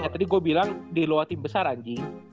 iya tadi gua bilang di luar tim besar anji